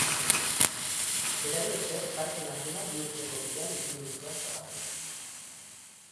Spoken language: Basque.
Berari esker, parke nazional bihurtzeko bidean ipini zuen zonaldea.